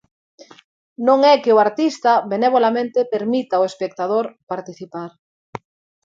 Non é que o artista, benevolamente, permita ao espectador participar.